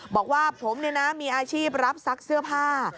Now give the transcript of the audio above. บอกว่าผมมีอาชีพรับซักเสื้อผ้า